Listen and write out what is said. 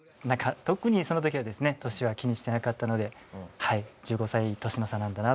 特にその時はですね年は気にしてなかったのではい１５歳年の差なんだなと思いました。